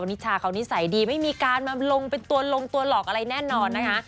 นิชาเขานิสัยดีไม่มีการมาลงเป็นตัวลงตัวหลอกอะไรแน่นอนนะคะ